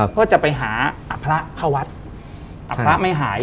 เพราะจะไปหาอภพระพระวัฒน์อภพระไม่หาย